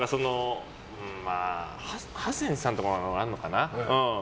ハセンさんとかあるのかな。